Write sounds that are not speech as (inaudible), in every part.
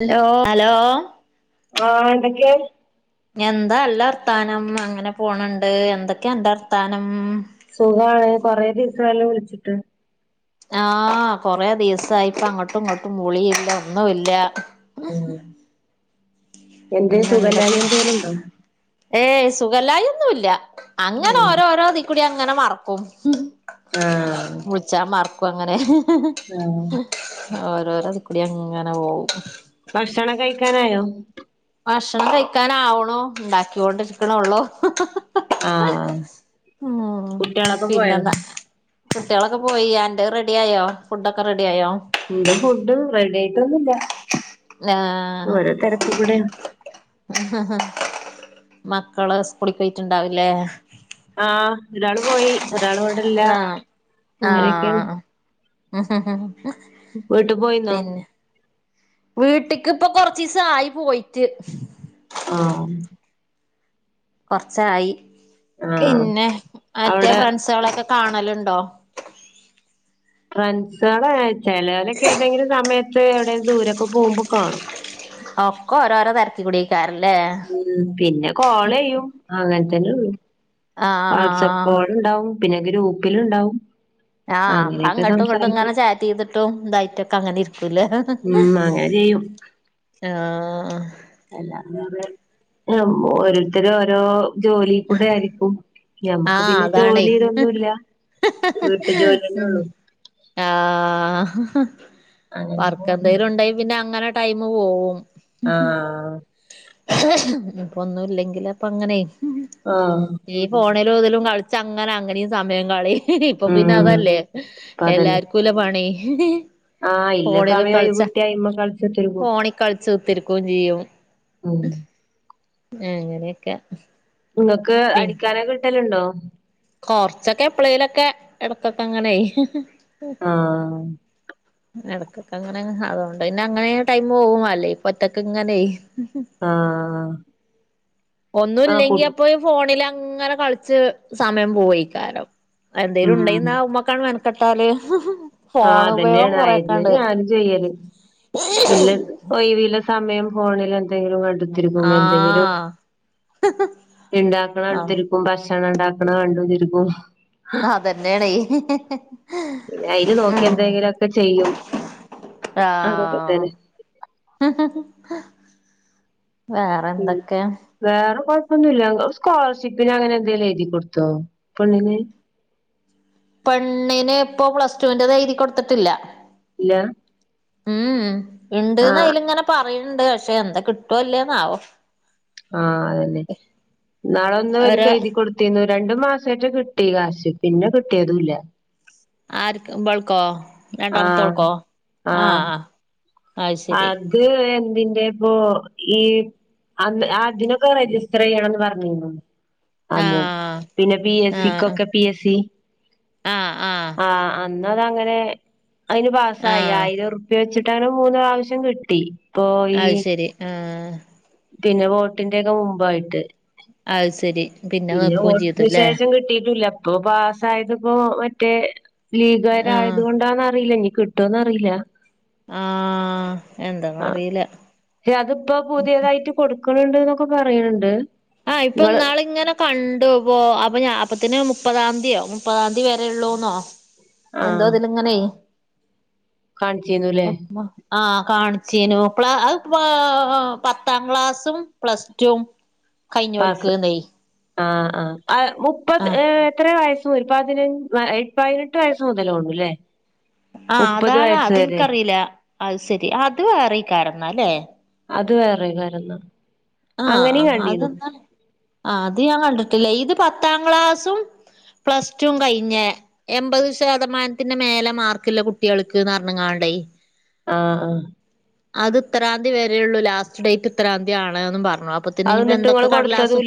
Hello hello ആഹ്എന്തൊക്കെ എന്താ അല്ല അർത്താനം അങ്ങനെ പോണണ്ട് എന്തൊക്കെയ എൻന്റെ അർത്താനം സുഖമാണ് കൊറെ ദിവസം ആയല്ലോവിളിച്ചിട്ട് ആഹ് കൊറേ ദിവസായിപ്പ അങ്ങോട്ടും ഇങ്ങോട്ടും മുളില്ല ഒന്നുംല്ല ഉ എന്തേ പിന്നെ എന്തക്ക സുഖല്ലായി എന്തേലും ഉണ്ടോ ഏ സുഖലായിന്നുല്ല അങ്ങനെ ഓരോരോ അതിക്കൂടി അങ്ങനെ മറക്കും ആഹ് മുൾച്ചാ മർക്കും അങ്ങനെ ആഹ് ഓരോര അത് കൂടി അങ്ങനെ പോകവും ഭക്ഷണം കഴിക്കാനായോ ഭക്ഷണം കഴിക്കാന ആവണോ ഉണ്ടാക്കൊണ്ടിരിക്കണള്ളൂ ആഹ് ഉ കുട്ടികളൊക്കെ പോയോ പിന്നെന്നാ കുട്ടികളൊക്കെ പോയി ആന്റെ റെഡി ആയോ ഫുഡൊക്കെ റെഡിയായോ എന്റെ ഫുഡ് റെഡി ആയിട്ടൊന്നുമില്ല നാഹ ഹ ഹ മക്കള് സ്കൂളി പോയിട്ടുണ്ടാവില്ലേ ആഹ് ഒരാള് പോയി ഒരാൾ വിടല്ല ആഹ് അങ്ങനെയൊക്കെയണ് ഹ് ഹ് ഹ് വീട്ട് പോയിന്നോ വീട്ടക്ക് ഇപ്പൊ കൊറച്ചസം ആയി പോയിട്ട് ആഹ് കൊറച്ചായി ആഹ് പിന്നെ മറ്റേ അവിടെ ഫ്രണ്ട്സുകളൊക്കെ കാണലുണ്ടോ ഫ്രണ്ട്സുകള ചെലലൊക്കെ ഏതെങ്കിലും സമയത്ത് എവിടെ ദൂരൊക്കെ പോകുമ്പോക്കെ കാണും ഒക്ക ഓരോരോ തിരക്ക കുടക്കാറല്ലേ ഉ പിന്നെ കോളയ്യും അങ്ങനെത്തന്നെ ഉള്ളു വാട്സആപ്പ് ആഹ് കോൾ ഉണ്ടാവും പിന്നെ ഗ്രൂപ്പിൽ ഉണ്ടാവും ആഹ് അപ്പൊ ങ്ങോട്ടും ഇങ്ങോട്ടും ഇങ്ങനെ ചാറ്റ് ചെയ്തിട്ടും ഇന്തായിറ്റൊക്കെങ്ങനെ ഇരിക്കൂല ഉം അങ്ങനെ ചെയ്യും ആഹ് അല്ല ഓരോരുത്തരും ഓരോ ജോലി കൂടെ ആയിരിക്കും ഞമ്മക്ക് ആഹ് പിന്നെ അതാണേ ജോലി ഇതൊന്നുല്ല വീട്ടു ഉം ജോലിയന്നള്ളൂ ആഹ് അങ്ങനെ വർക്ക പോണ്ട് എന്തെങ്കിലും ഉണ്ടായി പിന്നെ അങ്ങനെ ടൈമ് പോവും ആഹ് ഇപ്പൊന്നും ഇല്ലെങ്കിൽ അപ്പ അങ്ങനെ ആഹ് ഫോണിലുതിലും കളിച്ചങ്ങനെ അങ്ങനെയും സമയം കളീം ഇതിപ്പൊ പിന്നെ ഉം അതല്ലേ അപ്പ എല്ലാർക്കുംല്ല പണി? ആ ഇല്ല ഫോണില് സമയം ഒയ് കളിച്ച വുട്ടിയാ അയ്മെ കളിച്ചുത്തിരിക്കും. ഫോണിൽ കളിച്ച് കുത്തിരിക്കുകയും ചെയ്യും ഉം അങ്ങനെക്കെ ഇപ്പൊ ഇങ്ങക്ക് അടിക്കാനൊക്കെ കിട്ടലുണ്ടോ? കൊറച്ചൊക്കെ എപ്ലെയിലൊക്ക എടക്കൊക്കെങ്ങനയ് ആ (inaudible) എടക്കൊക്കങ്ങനെ അതുകൊണ്ട് പിന്നെ അങ്ങനെ ടൈമൂ പോകും അല്ലെങ്കി പൊറ്റക്കങ്ങനെ ആഹ് ആഹ് കു ഒന്നൂല്ലെങ്കി അപ്പൊ ഫോണിലങ്ങനെ കളിച്ച് സമയം പോവയ്ക്കാരം അ എന്തേലും ഉണ്ടെയ് ഉം ന്നാ അഹ് മ്മക്കാണ്ട് മെനക്കെട്ടാല് ആ ഫോൺ ഉപയോഗം അതന്നേണ് അയെന്നെ കൊറെക്കണ്ട് ഞാനും ചെയ്യല് ഇല്ലെന്ന് - ഒയിവില്ല സമയം ഫോണിൽ എന്തെങ്കിലും കണ്ട വരുമ്പോ എന്തെങ്കിലും ആഹ് ആഹ് ഇണ്ടാക്കണതിൽ ഉം ഭക്ഷണം ഉണ്ടാക്കണ കണ്ടൊണ്ടിരിക്കും. അതന്നേണെയ് പിന്നെ അയില് നോക്കിക്കെ എന്തേങ്കിലൊക്കെ ചെയ്യും അതൊക്കെ തന്നെ. ഉം വേറെന്തൊക്കെ? വേറെ കൊഴപ്പൊന്നുല്ല ങ്ങള് സ്കോളർഷിപ്പിന് അങ്ങനെ എന്തേലും എഴുതി കൊടുത്തോ പെണ്ണിന്? പെണ്ണിന് ഇപ്പൊ പ്ലസ്ടുവിന്റെത് എഴതി കൊടുത്തിട്ടില്ല. ഇല്ല്യ? മ്മ് ഉം ഉണ്ട്ന്ന് ആഹ് അയ്ലിങ്ങനെ പറീണ്‌ ണ്ട് പക്ഷെ എന്താ കിട്ടോ ല്ലേന്നാവോ. ആ അതന്നെ ഇന്നാളൊന്ന് ഓൽക്ക് ഒരു എഴുതി കൊടു തീന്നു രണ്ടു മാസറ്റെ കിട്ടി കാശ് പിന്നെ കിട്ടിയതൂല്ല. ആർക്ക്‌ ബൾക്കോ ആഹ് രണ്ടാമത്തോൾക്കോ? ആഹ് അയ് ശരി. ഇത് എന്തിന്റെപ്പൊ ഈ അന്ന് ആ ഇതിനൊക്കെ രജിസ്റ്റർ ചെയ്യണംന്ന് പറഞ്ഞീന്നു അതെ ആഹ് പിന്നെ പി എസ് സി ക്കൊക്കെ പി എസ് സി ആ ആ ആ അന്നതങ്ങനെ അയിന് പാസായി ആഹ് ആയിരം ഉർ പി വെച്ചിട്ടങ്ങനെ മൂന്ന് പ്രാവശ്യം കിട്ടി ഇപ്പോ ഈ അത് ശരി ആഹ് പിന്നെ വോട്ടിന്റെയൊക്കെ മുമ്പായിട്ട് അത് സരി പിന്നെ വോട്ടിന് ശേഷം കിട്ടിട്ടൂല്ല ഇപ്പൊ പാസ്സായത് പ്പൊ മറ്റേ ആഹ് ലീഗാരായത് കൊണ്ടാന്നറിയില്ല ഇഞ്ഞി കി, ട്ടോന്നറിയില്ല ആ ആ എന്താന്നറിയില്ല കൊടുക്ക്ണ്‌ ണ്ട് ന്നൊക്കെ പറയ്ണ്‌ണ്ട് ആ ഇപ്പന്നാള് ഇങ്ങനെ കണ്ടു പോ അപ്പോ ഞാ അപ്പത്തിന് മുപ്പതാംന്തീയോ മുപ്പതാംതിയതി വരെള്ളൂന്നോ എന്തോ ആഹ് ഇതിലങ്ങനെയ് കാണിച്ചിരുന്നുല്ലേ ഉം ഉം ആ കാണിച്ചീനു അത് ഇപ്പോ പത്താം ക്ലാസും പ്ലസ് ടും കൈഞ്ഞോൽക്ക് പാസ് എന്തായി ആഹ് ആഹ് അത് മുപ്പത് ഏഹ് എത്രയാ വയസ് ഒരു പതിനഞ് പതിനെട്ട് വയസ്സ് (unintelligible) ആഹ് മുപ്പത് അതാണ് വയസ്സ് അത് വരെ എനിക്കറിയില്ല അത് ശരി അത് വേറെയിക്കാരംന്നല്ലേ അത് വേറെ വരുന്ന ആഹ് ആഹ് അതന്താണ് ആഹ് അത് ഞാൻ കണ്ടിട്ടില്ല ഇത് പത്താം ക്ലാസ്സും പ്ലസ് ടും കഴിഞ്ഞ് എമ്പത് ശതമാനത്തിന്റെ മേലെ മാർക്കിള്ള കുട്ടികൾക്ക് ന്നറഞ്ഞങ്ങാണ്ടെയ് ആഹ് ആഹ് അത് ഇത്തരാന്തീ വരെയുള്ളൂ ലാസ്റ്റ് ഡേയ്റ്റ് ഇത്തരാന്തീ ആണേന്നും പറഞ്ഞു അപ്പ ത്തിനി അത് ഇപ്പ എന്നിട്ട് എന്തൊക്കെ നിങ്ങള് കടലാസ് കൊടുത്തതും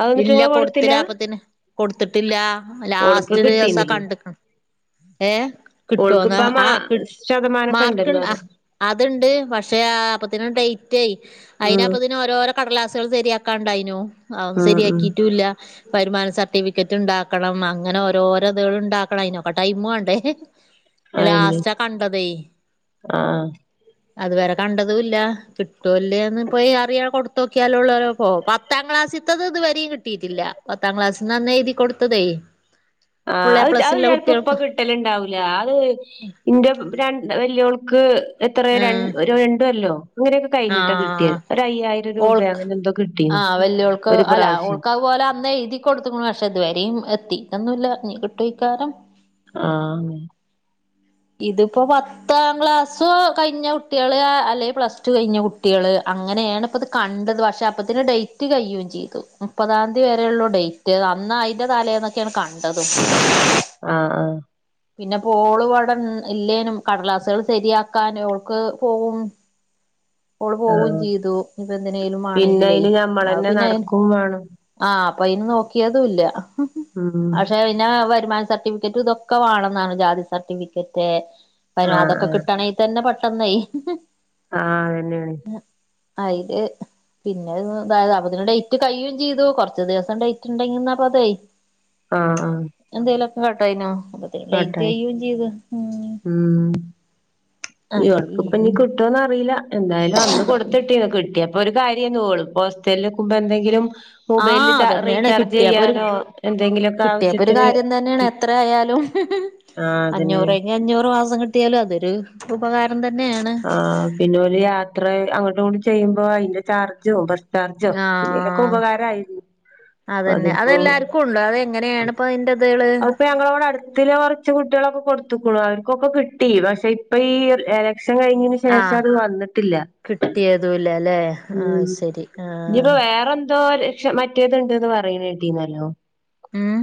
അത് എന്നിട്ട് ഇല്ല നിങ്ങള് കൊടുത്തില്ല അപ്പത്തിന് കൊടുത്തട്ടില്ല ഓൾക്ക് ലാസ്റ്റ് ദിവസാ കിട്ടീന്നില്ലേ കണ്ടിക്ക്ണ് ഏഹ് കിട്ടോന്നാ ഓൾക്കിപ്പ മാ ആഹ് കി ശതമാനൊക്കെ മാർ‌ക്കിൺ ഉണ്ടല്ലോ ആഹ് അഹ് അതിണ്ട് പക്ഷെ ആ അപ്പത്തിന് ഡെയ്റ്റെ അയിന നോരോരൊ കടലാസുകള് ശരിയാക്കാ ഇണ്ടായിന്നു അതൊന്നും ആഹ് ആഹ് ശരിയാക്കിയിട്ടും ഇല്ല വരുമാന സർട്ടിഫിക്കറ്റ് ഇണ്ടാക്കണം അങ്ങനെ ഓരോരൊ ഇതുകൾ ഇണ്ടാക്കണം അയ്നൊക്കെ ടൈമ് വേണ്ടെ അയന്നെ ലാസ്റ്റാ കണ്ടതേയ് ആഹ് അത് വരെ കണ്ടതും ഇല്ല കിട്ടോ ഇല്ലെയോന്ന് പോയി അറിയോ കൊടുത്തോക്കിയാലൊള്ളതൊ ഇപ്പോ പത്താം ക്ലാസ്സിത്തത് ഇത് വരെയും കിട്ടിയിട്ടില്ല പത്താം ക്ലാസ്സീന്നന്ന് എഴുതി കൊടുത്തതേ ആഹ് ഫുൾ എ അത് ചെ പ്ലസ് അത്‌ ഉള്ള ചെലപ്പോ ഇപ്പൊ കുട്ടികൾക്ക് കി ട്ടലിണ്ടാവൂല്ല അത് ഇന്റെ രണ്ട് വല്ല്യവൾക്ക് എത്രെയാ ര ഒര് രണ്ട് കൊല്ലോ അങ്ങനെയൊക്കെ ആ കഴിഞ്ഞിട്ടാ കിട്ടിയത് ആ ഒരു അയ്യായിരം രൂപയോ ഓൾക്ക് അങ്ങനെ എന്തോ കിട്ടി ഒരു പ്രാവശ്യം ക്കതുപോലെ അന്ന് എഴുതി കൊടുത്തുക്ക്ണു പക്ഷെ ഇതുവരെയും എത്തിയിട്ടൊന്നുല്ല ഇനി കിട്ടോയിക്കാരം ആഹ് ഇതിപ്പൊ പത്താം ക്ലാസ് കഴിഞ്ഞ കുട്ടികള് അല്ലെ പ്ലസ് ടു കഴിഞ്ഞ കു ട്ടിയള് അങ്ങനേണ് ഇപ്പിത് കണ്ടത് പക്ഷെ അപ്പത്തിന് ഡേയ്റ്റ് കഴിയുവേം ചെയ്ത് മുപ്പതാംന്തി വരെയുള്ളൂ ഡേയ് റ്റ് അന്ന് അയിന്റെ തലേന്നൊക്കെയാണ് കണ്ടതും ആഹ് ആഹ് പിന്നെ ഇപ്പോള് ഇവടെ ഇല്ലേനും കടലാസുകള് ശരിയാക്കാനും ഓൾക്ക് പോകും ഓള് പോകും ആഹ് ചെയ്തു ഇപ്പ എന്തിനെലും പിന്നെ വാണങ്കിലെയ് അയിന് അപ്പൊ ഞമ്മളന്നെ പിന്നെ നടക്കും വേണം ആഹ് അപ്പൊ അയ്ന് നോക്കിയതു ഇല്ല ഉം പക്ഷെ പിന്നാ വരുമാന സർട്ടിഫിക്കറ്റ് ഇതൊക്കെ വേണന്ന് പറഞ്ഞു ജാതി സർട്ടിഫിക്കറ്റ് പരും ആഹ് അതൊക്കെ ആഹ് കിട്ടണെ തന്നെ പെട്ടെന്നെയ് ആഹ് അതന്നെ അയില് പിന്നെ ഇതായത് അപ്പത്തിന് ഡേറ്റ് കഴിയും ചെയ്തു കൊർച്ച് ദിവസം ഡേറ്റിണ്ടെങ്കിന്നപ്പ അതേ ആഹ് ആഹ് എന്തേലൊക്കെ കേട്ടായിനോ അപ്പത്തിന് ഡെയ്റ്റ് കാട്ടാന് കഴിയേം ചെയ്ത് ഉം ഉം അതെ വർ‌ക്കിപ്പിഞ്ഞി കിട്ടോന്നറിയില്ല എന്തായാലും അന്ന് കൊടുത്തിട്ടീന്ന് കിട്ടിയപ്പൊ ഒരു കാര്യന്നു ഓളിപ്പ ഹോസ്റ്റൽല് നിക്കുമ്പ എന്തെങ്കിലും മൊബൈലിൽ ആഹ് ചാ അതന്നെണ് റീചാർജ് കിട്ടിയപ്പൊരു ചെയ്യാനോ എന്തെങ്കിലുമൊക്കെ കിട്ടിയപ്പൊ ഒരു ആവശ്യത്തിന് കാര്യം തന്നെയാണ് എത്ര ആയാലും ആഹ് അതന്നെ അഞ്ഞൂറെങ്കി അഞ്ഞൂറ് മാസം കിട്ടിയാലും അതൊരു ഉപകാരം തന്നേണ് പിന്നൊരു യാത്ര അങ്ങട്ടും ഇങ്ങട്ടും ചെയ്യുമ്പോ അയിന്റെ ചാർജും ഭ (unintelligible) പിന്നലൊക്കെ ആഹ് ഉപകാരയിരുന്നു പ്പൊ അത്പ്പോ അങ്ങനെയാണ് ഇപ്പ അയിന്റെതള് അയ്പ്പൊ ഞങ്ങളോട അടുത്തിലാ വർ ന്റ് കുട്ടെളൊക്കെ കൊടുത്തക്കുന്നു അവർക്കൊക്കെ കിട്ടി പക്ഷെ ഇപ്പൊ ഈ എലക്ഷൻ കഴിഞി ശേഷം അത് വന്നിട്ടില്ല കിട്ടിയതുല്ലല്ലെ ആഹ് ശരി ആഹ് ഇനിപ്പോ വേറെന്തോര് ക്ഷ മറ്റേത്ണ്ട്ന്ന് പറിണെട്ടിന്നല്ലോ ഉം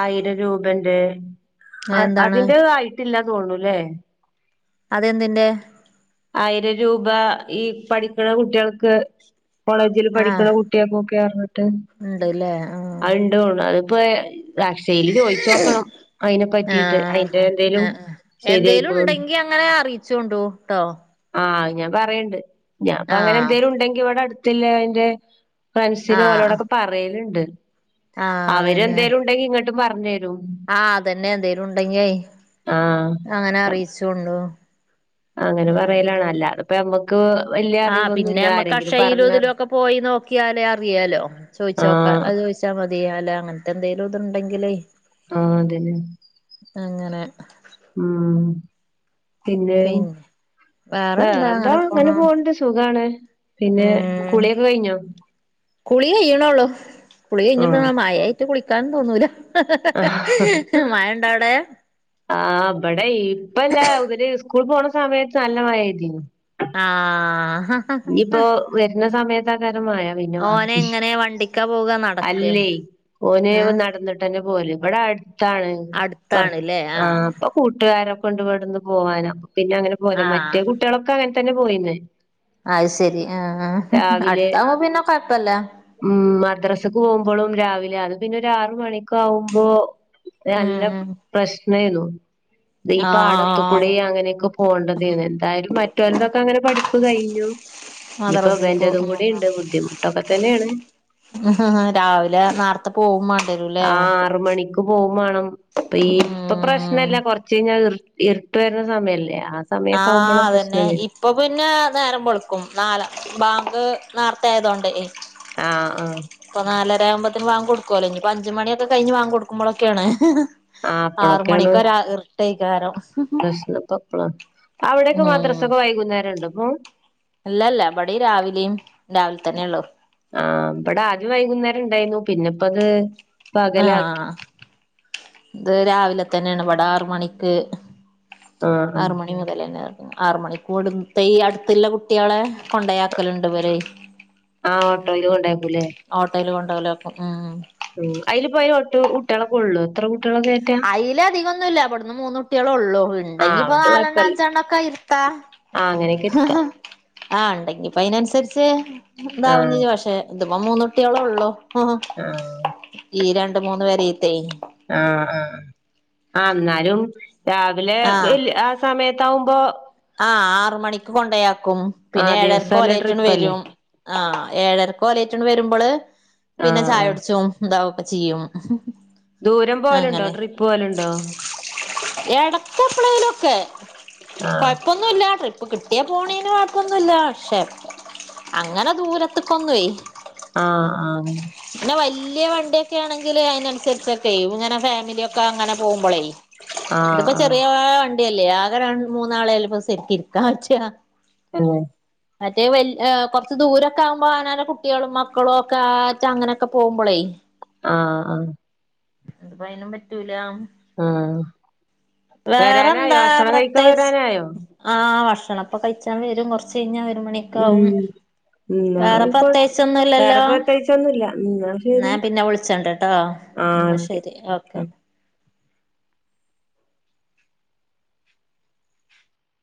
ആയിരം രൂപന്റെ ആ അതെന്താണ് അതിന്റെ ആയിട്ടില്ല തോന്നൂല്ലേ അതെന്തിന്റെ ആയിരം രൂപ ഈ പഠിക്ണ കുട്ടെൾക്ക് കോളേജിൽ പഠിക്ക്ണ കു ട്ടിക്കൊക്കെ പറഞ്ട്ട് ഇണ്ട്ല്ലേ ആഹ് അഹ് ഇണ്ട് തൊന്ന്ണ് അയ്പ്പോ അക്ഷയ്ല് ചോയ് ചൊയ്ച്ച് നേക്കണം അയിനെ പറ്റിട്ട് ആഹ് അയിന്റെ എന്തേലും ശരിയായിക്ണോന്ന് ഇങ്ങള് അറിയിച്ചൊണ്ടു ട്ടോ ആഹ് അയ് ഞാൻ പറയണ്ട് ഞാൻ ഇപ്പ അങ്ങനെ ആഹ് എന്തേിലും ഉണ്ടെങ്കി ഇവടെ അടുത്തിലെന്റെ ഫ്രൻസിനോ ആഹ് ഒലോടൊക്കെ പറയല്ണ്ട് ആഹ് അവര് അതന്നെ എന്തോലും ഉണ്ടെങ്കിൽ ഇങ്ങട്ടും പറഞ് തരും ആഹ് അതന്നെ എന്തേലും ഉണ്ടെങ്കിൽ ആഹ് അങ്ങനെ അറിചൊണ്ടു അങ്ങനെ പറയലാണ് അല്ലാതെപ്പോ ആഹ് പിന്നെ നമ്മക്ക് ആരെങ്കിലും അക്ഷയിലും പറഞ്ഞ ഇതിലൊക്കെ പോയി നോക്കിയാലേ അറിയാലോ ചോദിച്ചോക്കാ ആഹ് അഹ് ചോദിച്ചാൽ മതിയൊ അല്ല അങ്ങനത്തെ എന്തേലും ഇത് ഇണ്ടെങ്കില് ആഹ് അതന്നെ അങ്ങനെ ആഹ് പിന്നെ വേറെന്താ വേറെന്തോ അങ്ങനെ പോണു പോക്ണ്ട് സുഖാണ് പിന്നെ ഉം കുളിയൊക്കെ കഴിഞ്ഞോ കുളി കഴിയണോള്ളൂ കുളി കഴിഞ്ഞിട്ട് ആഹ് മായ കുളിക്കാന്ന് തോന്നൂല മായ ഇണ്ടേ അവിടെ ആ ഇബടെ ഇപ്പല്ല ഇവര് സ്കൂൾ പോണ സമയത്തല്ല നല്ല മയ പെയ്തീനി ആഹ് ഇപ്പോ വർന്ന സമയത്തയ്കാരം മയ അയിന്റെ ഓനെ വാക്കി എങ്ങനെ വണ്ടിക്കാ പോക നടക്കെ അല്ലയ് ഓന് ആഹ് നടന്ന്ട്ട് ട്ടെന്നെ പോവല് ഇവ്ടെ അടുത്താണ് കൊർ അടുത്താണ്ല്ലേ ആ ആഹ് അപ്പം പ്പോ കൂട്ടുകാരൊക്കെ ഇണ്ട് ഇവടന്ന് പോവൻ പിന്നെ അങ്ങനെ പോവലാ ആഹ് മറ്റേ കുട്ടികളൊക്കെ അങ്ങനെ തന്നെ പോയിന്ന് അഹ് ശരി ആ ആ രാവിലെ അടുത്താവുബൊ പിന്നെ കൊഴപ്പല്ല ഉം മദ്രാസക്ക് പോകുമ്പോളും രാവിലെ അത് പിന്നെ ഒരാറുമണിക്കവുമ്പോ ഉം നല്ല ഉം പ്രശ്നെയ്ന്നു ഈ ആഹ് പാടത്കൂടി അങ്ങനെയൊക്കെ പോണ്ടതെയ്ന്നു എന്തായാലും മറ്റോർതതൊക്കെ അങ്ങനെ പഠിപ്പ് കഴിഞ്ഞു ഇഞ്ഞ് ഇപ്പൊ മദ്രസി പോ ഇവന്റെതും കൂടി ഇണ്ട് ബുദ്ധിമുട്ടൊക്കെ തന്നെയാണ് രാവിലെ നാർ ത്തെ പോവും മാണ്ടിവരുല്ലേ ആഹ് ആറ് മണിക്ക് പോവും വാണം ഇപ്പ ഈ ഇപ്പൊ ഉം പ്രശ്നല്ല കൊറച്ച് കയ്ഞ്ഞാ ഇർ ഇർട്ട് വര്ന്ന സമയല്ലേ ആ സമയൊക്കാ ആഹ് അവുമ്പളാ അതന്നെ പ്രശ്നം വര ഇപ്പൊ പിന്നേ നേരം വെളുക്കും നാല ബാങ്ക് നേർത്തെ ആയതോണ്ടേ ആഹ് ആഹ് ഇപ്പൊ നാലരാവുമ്പത്തിന് വാങ്കൊട്ക്കോലോ ഇഞ്പ്പ അഞ്ച് മണി ഒക്കെ കഴിഞ്ഞ് വാങ്കൊട്ക്കുമ്പൊളെക്കേണ് ആഹ് ആറ് മണിക്കരാ ഇർട്ടേക്കാരം ക്ലഷ്ണപ്പപ്പെളാ അവിടെക്കെ മദ്രസൊക്കെ വൈകുന്നേരണ്ടൊപ്പം അല്ലല്ല ഇവടീം രാവിലിം രാവിൽ തന്നെ ഉള്ളു ആഹ് ഇവടെ ആദ്യം വൈകുന്നേരം ഇണ്ടായിന്നു പിന്നെപ്പത് പകലാക്കി. ആഹ് ഇത് രാവിലെ തന്നേണ് ഇവിടെ ആറ് മണിക്ക് ആഹ് ആഹ് ആറ് മണി മുതലന്നെ ആറ് മണിക്കൂടുത്തെ ഈ അട്ത്ത്ള്ള കുട്ട്യേളെ കൊണ്ടയാക്കല്ണ്ട് ഇവരയ് ആഹ് ഓട്ടോയില് കൊണ്ടാക്കൂല്ലേ. ഓട്ടേല് കൊണ്ടവലാപ്പൊ ഉം ഉം അയില് പോയാ ഒട്ട് കുട്ട്യേളെ കൊള്ളോ എത്ര കുട്ട്യേളെ കേറ്റാ അയിലധികൊന്നുല്ല ഇവട്ന്ന് മൂന്നുട്ട്യേളൊള്ളൂ ആഹ് ഇണ്ടെങ്കിപ്പൊ അതോണ്ട് നാലെണ്ണം കൊഴപ്പല്ല. അഞ്ചെണ്ണൊക്കെ ഇര്ത്താ ആഹ് അങ്ങനെക്കെ ഇരിക്ക ആഹ് ഇണ്ടെങ്കിപ്പയിനൻസരിച്ച് ഇതാവും ആഹ് ചിയ്യ പക്ഷെ ഇത്പൊ മൂന്ന്ട്ട്യേളൊള്ളൂ ആഹ് ഈ രണ്ട് മൂന്ന് പെരെത്തേയ് ആഹ് ആഹ്‌ ആഹ് ഇന്നാലും രാവിലേ ആഹ് ബല് ആസ് സമയത്താവുമ്പോ ആഹ് ആറ് മണിക്ക് കൊണ്ടയാക്കും ആ പിന്നെ ഏഴരക്ക് ദിവസല്ല ഓലേയിറ്റ്ണ്ട് ട്രിപ്പല്ലേ വരും ആഹ് ഏഴരക്കോലേയ്റ്റ്ണ്ട് വരുമ്പള് ആഹ് പിന്നെ ആഹ് ചായുടിച്ചും ഇതാവൊക്കെ ചിയ്യും ദൂരം പോവല്ണ്ടോ ട്രിപ്പ് പോവല്ണ്ടോ എടക്ക് എപ്പളേലൊക്കേ ആഹ് കൊയപ്പൊന്നുല്ല ട്രിപ്പ് കിട്ട്യാ പോണേന് കൊയപ്പൊന്നുല്ല പക്ഷെ അങ്ങനെ ദൂരത്ത്ക്കൊന്നൊയ് ആഹ് ആഹ് പിന്നെ വല്ല്യെ വണ്ട്യൊക്കേണെങ്കില് അയിനൻസരിച്ചൊക്കേവും ഇങ്ങനെ ഫാമിലി ഒക്കെ അങ്ങനെ പോവുമ്പളയ് ആഹ് ഇത്പ്പോ ആഹ് ചെറിയ വണ്ടിയല്ലേ ആകെ രൺ മൂന്നാളേയെല്ലപ്പത് സരിക്ക് ഇരിക്കാൻ പറ്റാ ഏഹ് മറ്റേത് വൽ ഏ കൊറച്ച് ദൂരൊക്കെ ആവുമ്പോ അവനാന്റെ കുട്ട്യേളും മക്കളൊക്കെ ആ ച്ച അങ്ങനൊക്കെ പോവുമ്പളേയ് ആഹ് ആഹ് അത്പ്പയ്നും പറ്റൂലാ ആഹ് വരാനായോ വേറെന്താ ഭക്ഷണം കഴിക്കാൻ പ്രത്യേകിച്ച് വരാനായോ ആഹ് ഭക്ഷണപ്പൊ കയിച്ചാ വരും കൊറച്ചയിഞ്ഞാ ഒര് മണി ഉം എന്നാ വേറെ ആയിക്കോട്ടെ പ്രത്യേകിച്ചൊന്നുംല്ലല്ലോ വേറെ പ്രത്യേകിച്ചൊന്നുല്ല എന്നാ ഇന്നാ ശരി ഞാൻ പിന്നെ വിളിച്ചണ്ട്ട്ടോ ആഹ് ഇന്നാ ഓക്കെ ശെരി ഓക്കെ ആ.